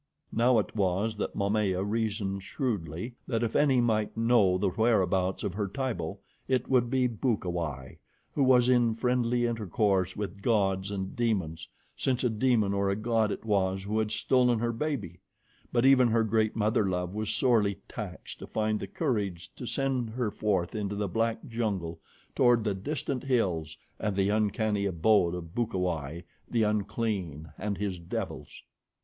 Now it was that Momaya reasoned shrewdly that if any might know the whereabouts of her Tibo, it would be Bukawai, who was in friendly intercourse with gods and demons, since a demon or a god it was who had stolen her baby; but even her great mother love was sorely taxed to find the courage to send her forth into the black jungle toward the distant hills and the uncanny abode of Bukawai, the unclean, and his devils.